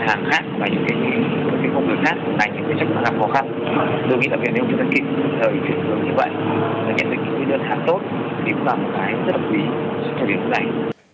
thì cũng là một cái rất là khó khăn